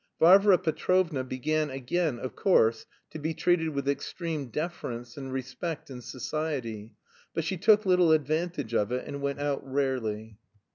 Varvara Petrovna began again, of course, to be treated with extreme deference and respect in society, but she took little advantage of it and went out rarely.